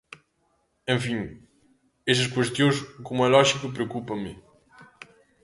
En fin, esas cuestións, como é lóxico, preocúpanme.